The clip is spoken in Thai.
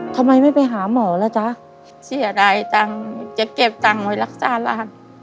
ทำไมไม่ไปหาหมอแล้วจ๊ะเสียดายจังเจ๊เก็บจังไว้รักจ้าล่ะ